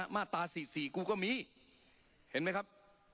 มาตรา๔๔กูก็มีเห็นไหมครับ